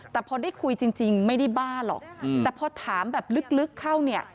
แต่พอได้คุยจริงไม่ได้บ้าหรอกแต่พอถามแบบลึกเข้าเนี่ย